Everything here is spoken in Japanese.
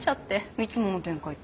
いつもの展開って？